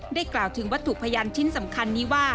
ได้กล่าวถึงวัตถุพยานชิ้นสำคัญ